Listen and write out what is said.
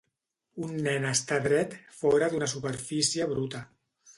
Un nen està dret fora d'una superfície bruta